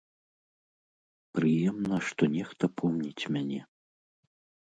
Прыемна, што нехта помніць мяне.